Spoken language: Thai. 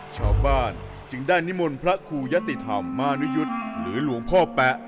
ชาวบ้านจึงได้นิมนต์พระครูยะติธรรมมานุยุทธ์หรือหลวงพ่อแป๊ะ